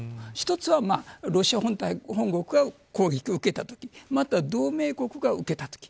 １つは、ロシア本国が攻撃を受けたときあとは、同盟国が受けたとき。